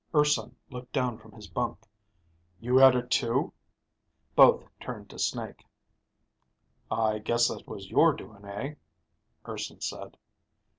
Urson looked down from his bunk. "You had it too?" Both turned to Snake. "I guess that was your doing, eh?" Urson said.